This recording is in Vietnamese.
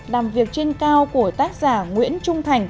làm việc trên cao của tác giả nguyễn trung thành